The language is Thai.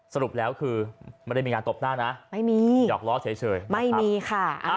สรุปแล้วคือไม่ได้มีงานตบหน้านะไม่มีหยอกล้อเฉยไม่มีค่ะ